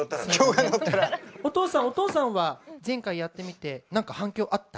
お父さんお父さんは前回やってみて何か反響あった？